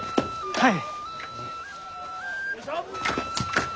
はい。